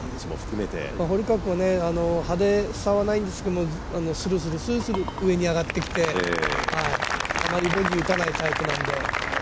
堀川君、派手さはないんですけどするする上に上がってきて、あまりボギーを打たないタイプなんで。